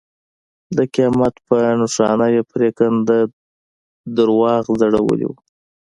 د قیامت په نښانه یې پرېکنده دروغ ځړولي وو.